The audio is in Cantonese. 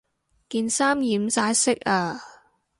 件衫染晒色呀